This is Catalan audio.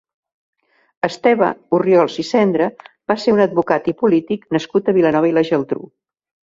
Esteve Orriols i Sendra va ser un advocat i polític nascut a Vilanova i la Geltrú.